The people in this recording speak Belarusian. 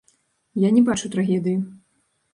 Я не бачу трагедыі.